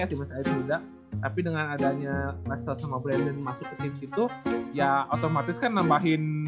tapi dengan adanya monaster sama sleeping masuk ke situ ya otomatis kan namahin